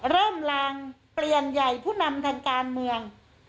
เริ่มลางเปลี่ยนใหญ่ผู้นำทางการเมือง